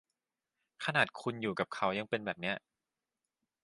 ขนาดคุณอยู่กับเขายังเป็นแบบนี้